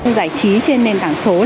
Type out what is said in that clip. giải trí trên nền tảng số